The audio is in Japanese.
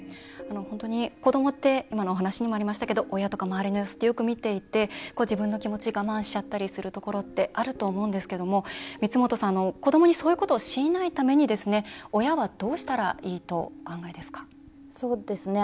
本当に子どもって今のお話にもありましたけど親とか周りの様子ってよく見ていて自分の気持ち我慢しちゃったりするところってあると思うんですけども光本さん、子どもにそういうことを強いないために親は、どうしたらいいとお考えですか？